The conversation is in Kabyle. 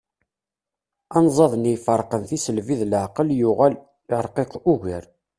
Anzaḍ-nni iferqen tisselbi d leεqel yuɣal yerqiq ugar.